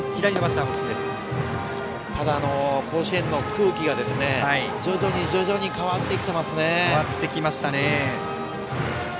甲子園の空気が徐々に徐々に変わってきてますね。